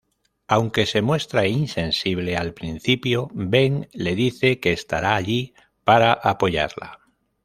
Aunque se muestra insensible al principio, Ben le dice que estará allí para apoyarla.